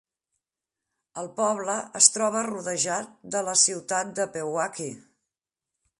El poble es troba rodejar de la ciutat de Pewaukee.